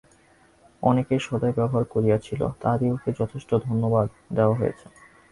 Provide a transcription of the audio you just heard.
অনেকেই সদয় ব্যবহার করিয়াছিল, তাহাদিগকে যথেষ্ট ধন্যবাদ দেওয়া হইয়াছে।